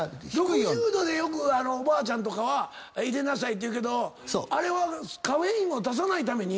６０℃でよくおばあちゃんとかは入れなさいって言うけどあれはカフェインを出さないために？